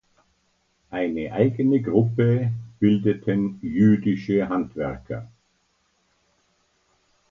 Eine eigene Gruppe bildeten jüdische Handwerker.